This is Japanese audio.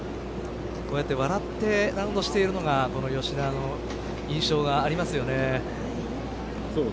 笑ってラウンドしているのがこの吉田の印象がありますよね。